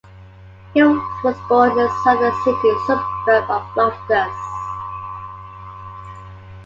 Hills was born in the southern Sydney suburb of Loftus.